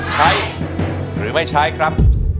ใช้หรือไม่ใช้ครับ